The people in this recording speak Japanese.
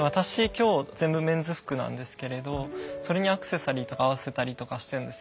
今日全部メンズ服なんですけれどそれにアクセサリーとか合わせたりとかしてるんですよ。